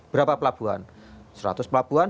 berapa pelabuhan seratus pelabuhan